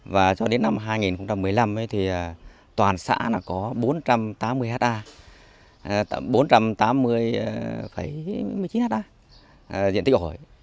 và cho đến năm hai nghìn một mươi năm thì toàn xã có bốn trăm tám mươi hectare bốn trăm tám mươi một mươi chín hectare diện tích ổi